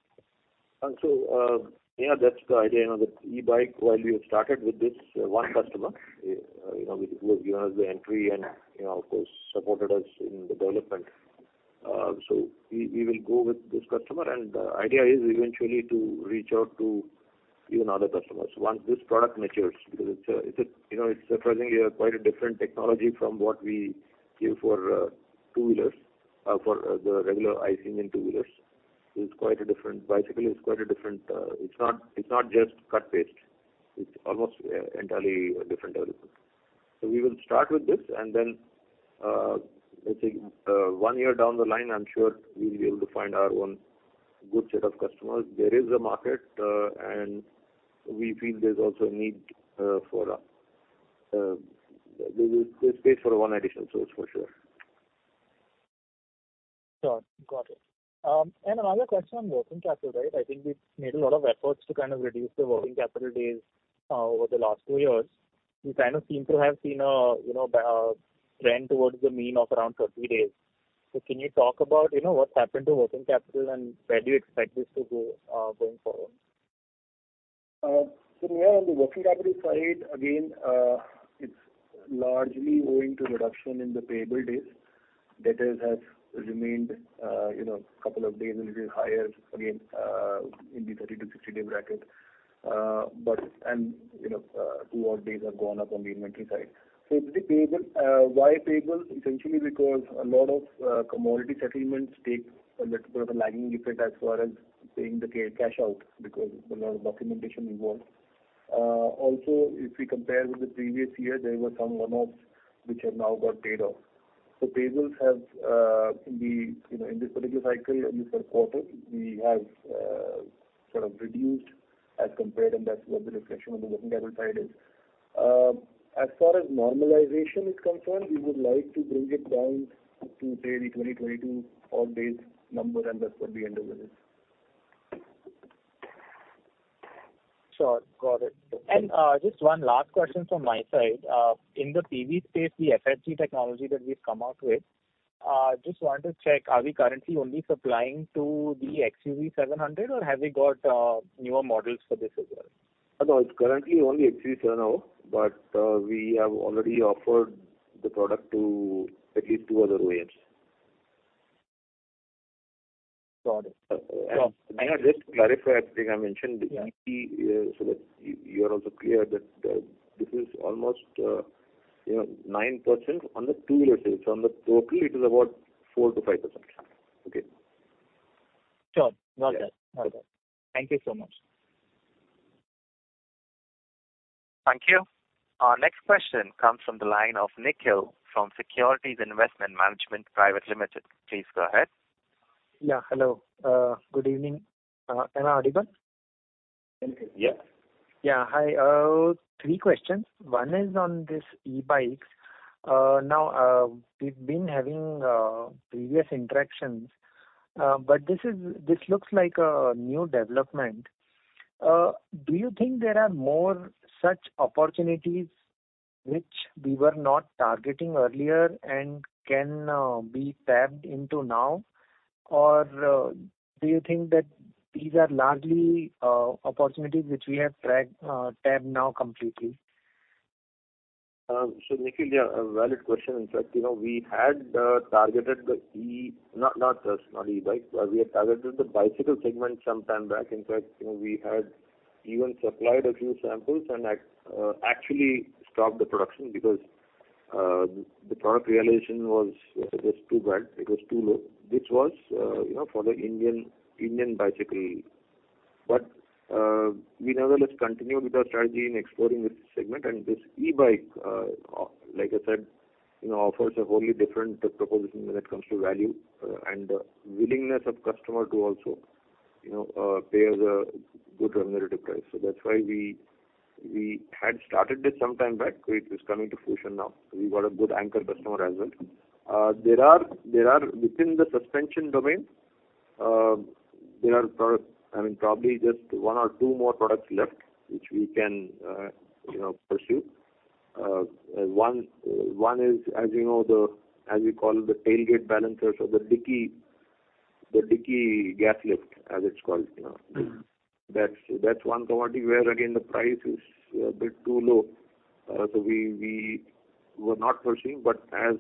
S2: Yeah, that's the idea. You know, the e-bike, while we have started with this, one customer, you know, who gave us the entry and, you know, of course, supported us in the development. So we, we will go with this customer, and the idea is eventually to reach out to even other customers once this product matures. Because it's, it's a, you know, it's surprisingly a quite a different technology from what we give for, two-wheelers, for, the regular ICE engine two-wheelers. It's quite a different bicycle. It's quite a different... It's not, it's not just cut paste. It's almost, entirely a different development. So we will start with this, and then, let's say, one year down the line, I'm sure we'll be able to find our own good set of customers. There is a market, and we feel there's also a need. There is space for one additional source, for sure.
S8: Sure, got it. Another question on working capital, right? I think we've made a lot of efforts to kind of reduce the working capital days over the last 2 years. We kind of seem to have seen a, you know, trend towards the mean of around 30 days. Can you talk about, you know, what's happened to working capital and where do you expect this to go going forward?
S2: So yeah, on the working capital side, again, it's largely owing to reduction in the payable days. Debtors have remained, you know, couple of days a little higher, again, in the 30–60-day bracket. But and, you know, 2 odd days have gone up on the inventory side. So the payable, why payable? Essentially because a lot of commodity settlements take a little bit of a lagging effect as far as paying the cash out, because there's a lot of documentation involved. Also, if we compare with the previous year, there were some one-offs which have now got paid off. So payables have, in the, you know, in this particular cycle, in this quarter, we have, sort of reduced as compared, and that's where the reduction on the working capital side is. As far as normalization is concerned, we would like to bring it down to, say, the 2020 all days number, and that's what we underwent it.
S8: Sure, got it. Just one last question from my side. In the PV space, the FSD technology that we've come out with, just want to check, are we currently only supplying to the XUV700, or have we got newer models for this as well?
S2: No, it's currently only XUV700, but we have already offered the product to at least two other OEMs.
S8: Got it.
S2: May I just clarify? I think I mentioned the EV so that you, you are also clear that this is almost, you know, 9% on the two-wheelers. So on the total, it is about 4%–5%. Okay?
S8: Sure. Got that.
S2: Yeah.
S8: Got it. Thank you so much.
S1: Thank you. Our next question comes from the line of Nikhil from Securities Investment Management Private Limited. Please go ahead.
S7: Yeah, hello. Good evening. Am I audible?
S2: Yes.
S7: Yeah. Hi, three questions. One is on this e-bikes. Now, we've been having previous interactions, but this looks like a new development. Do you think there are more such opportunities which we were not targeting earlier and can be tapped into now? Or, do you think that these are largely opportunities which we have tagged, tagged now completely?
S2: So, Nikhil, yeah, a valid question. In fact, you know, we had targeted. Not just e-bike, we had targeted the bicycle segment some time back. In fact, you know, we had even supplied a few samples and actually stopped the production because the product realization was too bad, it was too low, which was, you know, for the Indian bicycle. But we nevertheless continued with our strategy in exploring this segment. And this e-bike, like I said, you know, offers a wholly different proposition when it comes to value and willingness of customer to also, you know, pay us a good remunerative price. So that's why we had started this some time back. It is coming to fruition now. So we've got a good anchor customer as well. There are, within the suspension domain, products, I mean, probably just one or two more products left, which we can, you know, pursue. One is, as you know, the, as we call it, the tailgate balancers or the dicky gas lift, as it's called, you know. That's one commodity where again, the price is a bit too low. So we were not pursuing, but as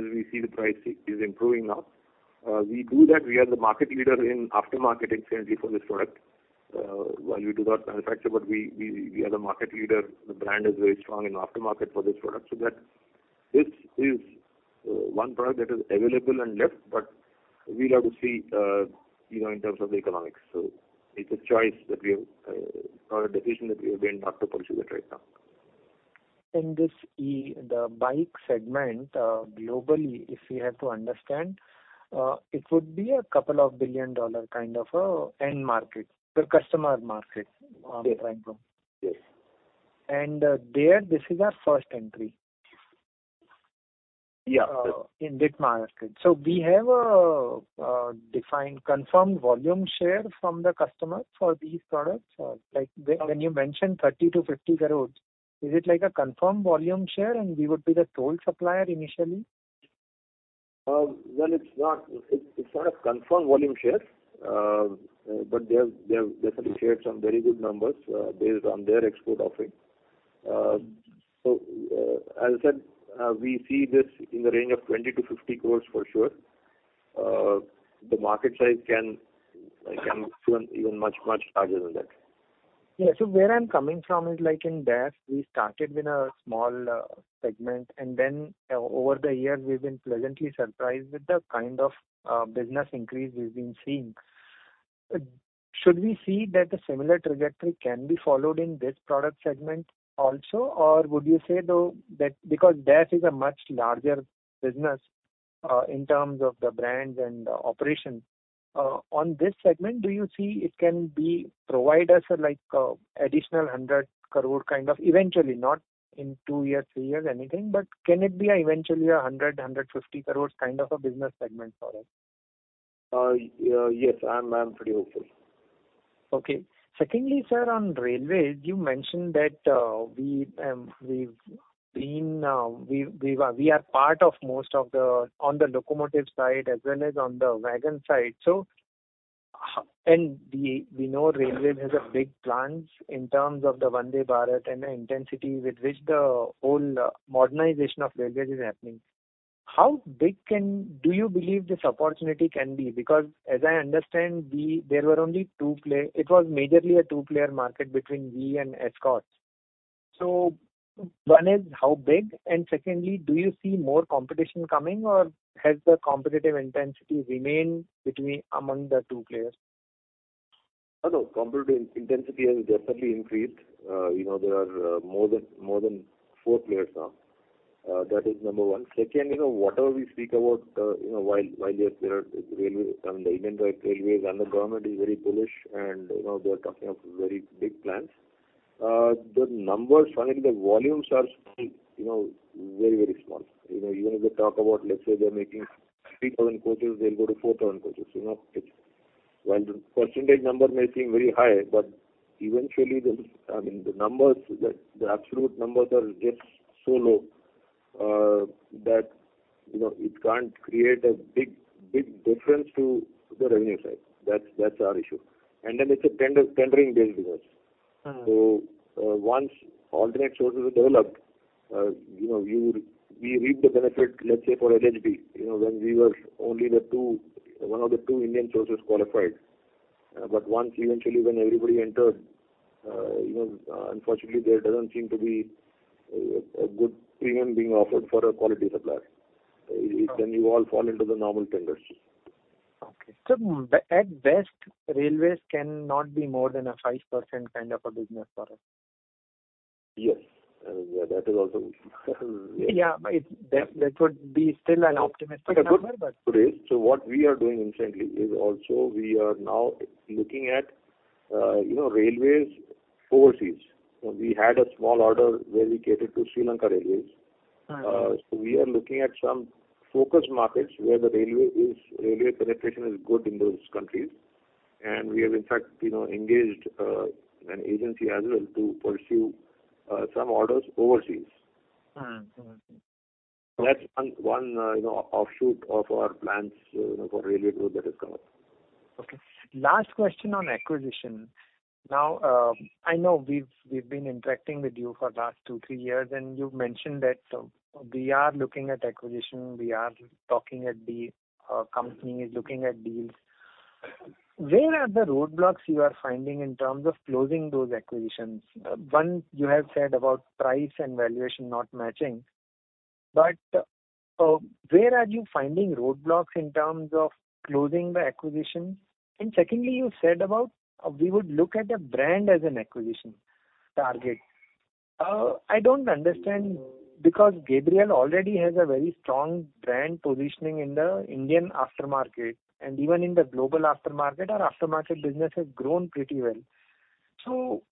S2: we see, the price is improving now. We do that, we are the market leader in aftermarket accessory for this product. While we do not manufacture, but we are the market leader. The brand is very strong in aftermarket for this product. So that this is one product that is available and left, but we'll have to see, you know, in terms of the economics. It's a choice that we have, or a decision that we have been not to pursue it right now.
S7: In this e-bike segment, globally, if we have to understand, it would be a couple of $2 billion kind of end market, the customer market, I'm trying to-
S2: Yes.
S7: And, there, this is our first entry.
S2: Yeah.
S7: In this market. So we have a defined, confirmed volume share from the customer for these products? Or like when you mentioned 30 crore–50 crore, is it like a confirmed volume share and we would be the sole supplier initially?
S2: Well, it's not a confirmed volume share, but they have definitely shared some very good numbers based on their export offering. So, as I said, we see this in the range of 20 crore–50 crore, for sure. The market size can even much larger than that.
S7: Yeah. Where I'm coming from is like in DAF, we started with a small segment, and then over the years, we've been pleasantly surprised with the kind of business increase we've been seeing. Should we see that a similar trajectory can be followed in this product segment also? Or would you say, though, that because DAF is a much larger business in terms of the brands and the operation on this segment, do you see it can provide us like additional 100 crore kind of... Eventually, not in two years, three years, anything, but can it be eventually 100–150 crore kind of a business segment for us?
S2: Yes, I'm, I'm pretty hopeful.
S7: Okay. Secondly, sir, on railways, you mentioned that we've been part of most of the, on the locomotive side as well as on the wagon side. So, we know railway has a big plans in terms of the Vande Bharat and the intensity with which the whole modernization of railways is happening. How big do you believe this opportunity can be? Because as I understand, there were only two player. It was majorly a two-player market between we and Escorts. So one is, how big? And secondly, do you see more competition coming, or has the competitive intensity remained between among the two players?
S2: Hello. Competitive intensity has definitely increased. You know, there are more than four players now. That is number one. Second, you know, whatever we speak about, you know, while there are railway, I mean, the Indian Railways and the government is very bullish, and, you know, they're talking of very big plans. The numbers, finally, the volumes are still, you know, very, very small. You know, even if they talk about, let's say, they're making 3,000 coaches, they'll go to 4,000 coaches, you know. While the percentage number may seem very high, but eventually, there's... I mean, the numbers, the absolute numbers are just so low, that, you know, it can't create a big, big difference to the revenue side. That's our issue. And then it's a tendering based business.
S7: Mm.
S2: So, once alternate sources are developed, you know, you would—we reap the benefit, let's say, for LHB, you know, when we were only the two, one of the two Indian sources qualified. But once, eventually, when everybody entered, you know, unfortunately, there doesn't seem to be a good premium being offered for a quality supplier. Then you all fall into the normal tenders.
S7: Okay. So at best, railways cannot be more than a 5% kind of a business for us?
S2: Yes. Yeah, that is also.
S7: Yeah, but that, that would be still an optimistic number, but-
S2: It is. So what we are doing instantly is also we are now looking at, you know, railways overseas. We had a small order where we catered to Sri Lanka Railways.
S7: Right.
S2: So we are looking at some focus markets where railway penetration is good in those countries, and we have in fact, you know, engaged an agency as well to pursue some orders overseas.
S7: Mm.
S2: So that's one, you know, offshoot of our plans, you know, for railway group that is coming.
S7: Okay. Last question on acquisition. Now, I know we've been interacting with you for the last 2, 3 years, and you've mentioned that we are looking at acquisition, we are talking at deals, company is looking at deals. Where are the roadblocks you are finding in terms of closing those acquisitions? One, you have said about price and valuation not matching, but where are you finding roadblocks in terms of closing the acquisitions? And secondly, you said about, we would look at a brand as an acquisition target. I don't understand, because Gabriel already has a very strong brand positioning in the Indian aftermarket, and even in the global aftermarket, our aftermarket business has grown pretty well. So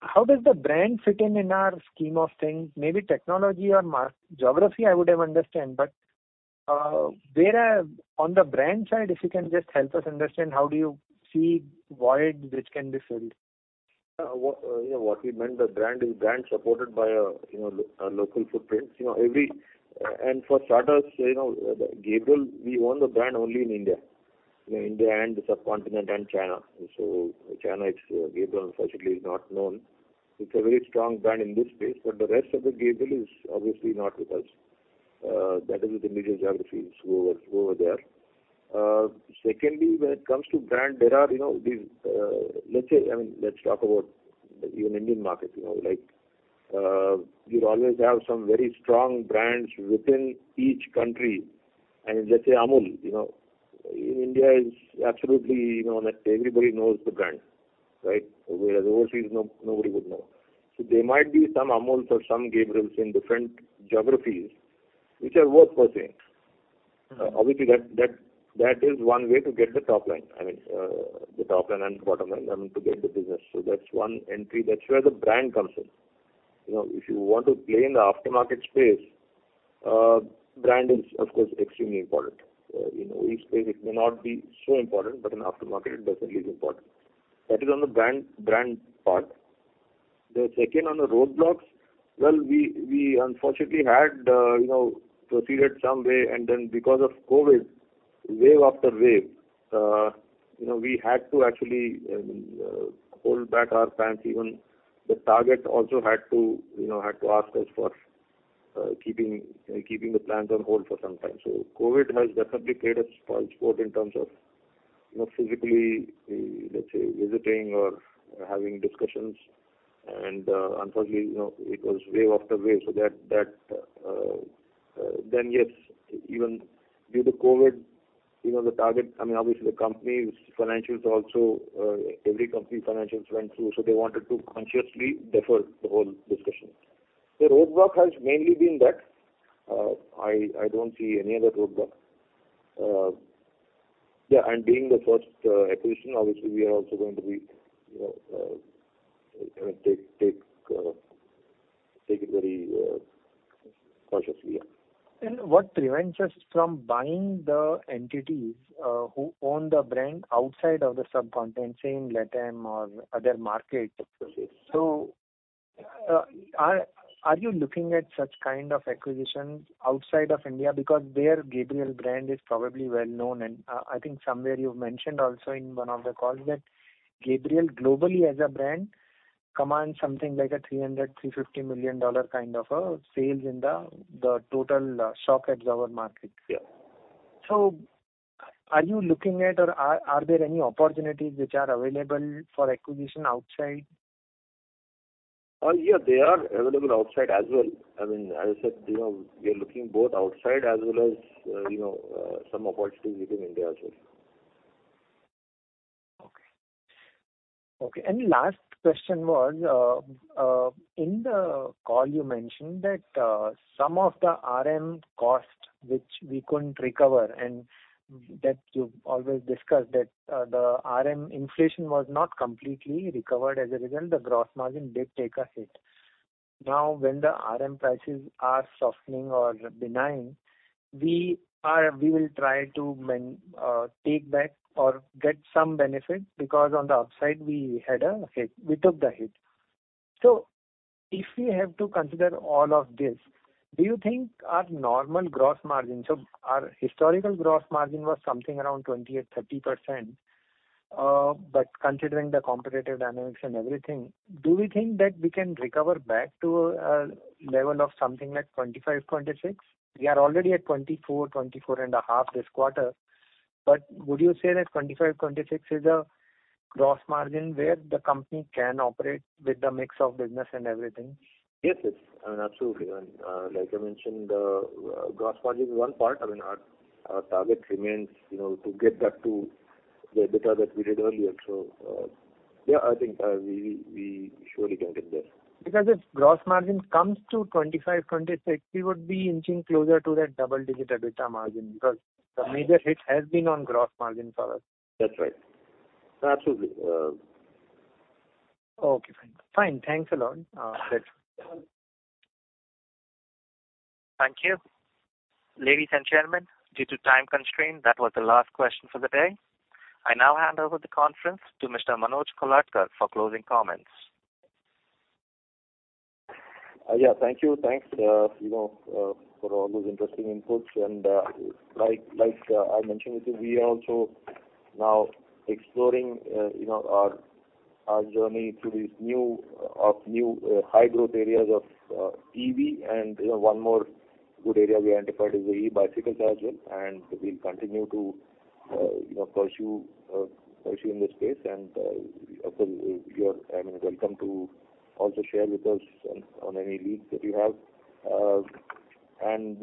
S7: how does the brand fit in in our scheme of things? Maybe technology or mar-geography, I would have understand, but. Where are, on the brand side, if you can just help us understand, how do you see void which can be filled?
S2: What, yeah, what we meant, the brand is brand supported by a, you know, a local footprints. You know, every, and for starters, you know, Gabriel, we own the brand only in India. In India and the subcontinent and China. So China, it's, Gabriel unfortunately is not known. It's a very strong brand in this space, but the rest of the Gabriel is obviously not with us. That is with the major geographies who are, who are there. Secondly, when it comes to brand, there are, you know, these, let's say, I mean, let's talk about even Indian market, you know, like, you'd always have some very strong brands within each country. And let's say Amul, you know, in India is absolutely, you know, that everybody knows the brand, right? Whereas overseas, no, nobody would know. So there might be some Amuls or some Gabriels in different geographies which are worth pursuing. Obviously, that, that, that is one way to get the top line. I mean, the top line and the bottom line, I mean, to get the business. So that's one entry. That's where the brand comes in. You know, if you want to play in the aftermarket space, brand is, of course, extremely important. You know, each space it may not be so important, but in aftermarket, it definitely is important. That is on the brand, brand part. The second, on the roadblocks, well, we unfortunately had, you know, proceeded some way, and then because of COVID, wave after wave, you know, we had to actually hold back our plans. Even the target also had to, you know, ask us for keeping the plans on hold for some time. So COVID has definitely played a spoilsport in terms of, you know, physically, let's say, visiting or having discussions, and, unfortunately, you know, it was wave after wave. So that, then, yes, even due to COVID, you know, the target—I mean, obviously, the company's financials also, every company's financials went through, so they wanted to consciously defer the whole discussion. The roadblock has mainly been that, I don't see any other roadblock. Yeah, and being the first acquisition, obviously, we are also going to be, you know, take it very cautiously, yeah.
S7: What prevents us from buying the entities, who own the brand outside of the subcontinent, say, in LATAM or other markets?
S2: Absolutely.
S7: So, are you looking at such kind of acquisitions outside of India? Because there, Gabriel brand is probably well known, and, I think somewhere you've mentioned also in one of the calls that Gabriel globally as a brand, commands something like a $300–$350 million kind of a sales in the, the total, shock absorber market.
S2: Yeah.
S7: Are you looking at, or are there any opportunities which are available for acquisition outside?
S2: Yeah, they are available outside as well. I mean, as I said, you know, we are looking both outside as well as, you know, some opportunities within India also.
S7: Okay. Okay, and last question was, in the call you mentioned that some of the RM cost, which we couldn't recover, and that you've always discussed, that the RM inflation was not completely recovered. As a result, the gross margin did take a hit. Now, when the RM prices are softening or benign, we are, we will try to take back or get some benefit, because on the upside, we had a hit. We took the hit. So if we have to consider all of this, do you think our normal gross margin, so our historical gross margin was something around 28%–30%, but considering the competitive dynamics and everything, do we think that we can recover back to a level of something like 25%–26%? We are already at 24%–24.5% this quarter. But would you say that 25, 26 is a gross margin where the company can operate with the mix of business and everything?
S2: Yes, yes, I mean, absolutely. And, like I mentioned, gross margin is one part. I mean, our, our target remains, you know, to get back to the EBITDA that we did earlier. So, yeah, I think, we, we, we surely can get there.
S7: Because if gross margin comes to 25, 26, we would be inching closer to that double-digit EBITDA margin, because the major hit has been on gross margin for us.
S2: That's right. Absolutely...
S7: Okay, fine. Fine. Thanks a lot. That's it.
S1: Thank you. Ladies and gentlemen, due to time constraint, that was the last question for the day. I now hand over the conference to Mr. Manoj Kolhatkar for closing comments.
S2: Yeah, thank you. Thanks, you know, for all those interesting inputs. Like I mentioned, we are also now exploring, you know, our journey through these new high growth areas of EV. You know, one more good area we identified is the e-bicycle as well. We'll continue to, you know, pursue in this space. Of course, you're, I mean, welcome to also share with us on any leads that you have.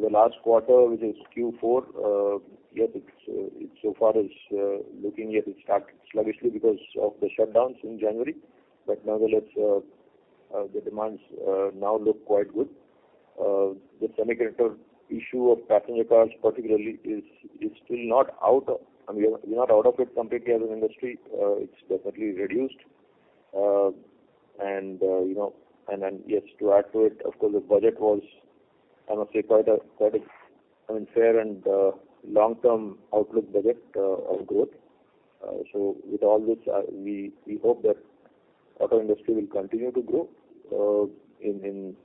S2: The last quarter, which is Q4, yes, it so far is looking. Yes, it started sluggishly because of the shutdowns in January. But nevertheless, the demands now look quite good. The semiconductor issue of passenger cars particularly is still not out of it. I mean, we're not out of it completely as an industry. It's definitely reduced. And you know, and then, yes, to add to it, of course, the budget was, I must say, quite a fair and long-term outlook budget of growth. So with all this, we hope that auto industry will continue to grow in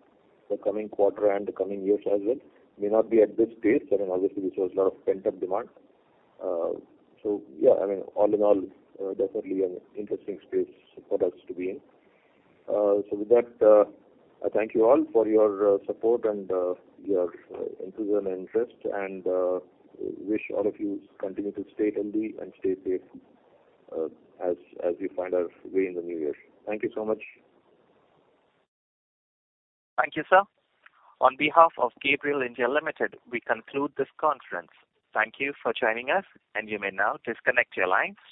S2: the coming quarter and the coming years as well. May not be at this pace, I mean, obviously, this was a lot of pent-up demand. So yeah, I mean, all in all, definitely an interesting space for us to be in. So with that, I thank you all for your support and your enthusiasm and interest, and wish all of you continue to stay healthy and stay safe, as we find our way in the new year. Thank you so much.
S1: Thank you, sir. On behalf of Gabriel India Limited, we conclude this conference. Thank you for joining us, and you may now disconnect your lines.